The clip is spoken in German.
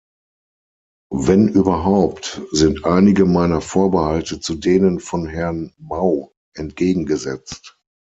Wenn überhaupt, sind einige meiner Vorbehalte zu denen von Herrn Mauentgegengesetzt.